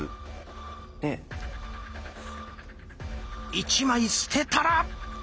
１枚捨てたら！